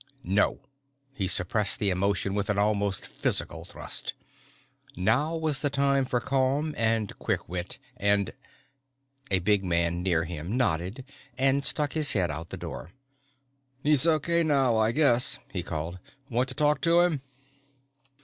No! He suppressed the emotion with an almost physical thrust. Now was the time for calm and quick wit and A big man near him nodded and stuck his head out the door. "He's okay now, I guess," he called. "Want to talk to him?"